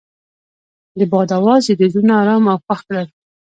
د باد اواز د دوی زړونه ارامه او خوښ کړل.